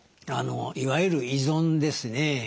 いわゆる依存ですね。